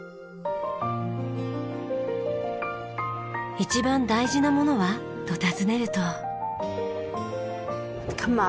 一番大事なものは？と尋ねると。